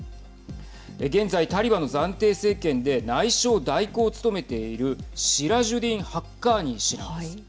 現在、タリバンの暫定政権で内相代行を務めているシラジュディン・ハッカーニ氏なんです。